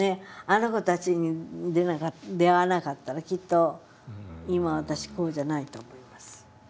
あの子たちに出会わなかったらきっと今私こうじゃないと思います。